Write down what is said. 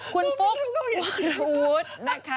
คุณฟุกวรวุฒินะคะ